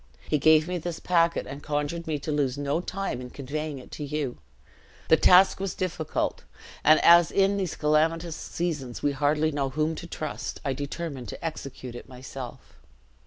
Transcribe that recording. He gave me this packet, and conjured me to lose no time in conveying it to you. The task was difficult; and, as in these calamitous seasons we hardly know whom to trust, I determined to execute it myself.'